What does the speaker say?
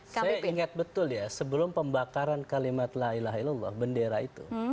saya ingat betul ya sebelum pembakaran kalimat la ilaha ilallah bendera itu